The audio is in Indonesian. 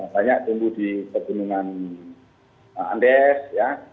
banyak tumbuh di penurunan andes ya